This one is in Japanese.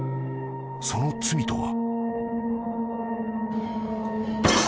［その罪とは］